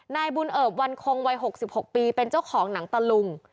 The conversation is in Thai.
นายบุญเอิบวันคงวัย๖๖ปีเป็นเจ้าของหนังตะลุง